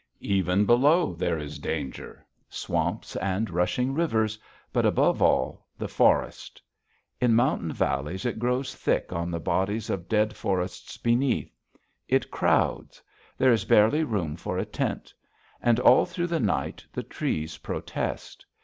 Even below there is danger swamps and rushing rivers, but above all the forest. In mountain valleys it grows thick on the bodies of dead forests beneath. It crowds. There is barely room for a tent. And all through the night the trees protest.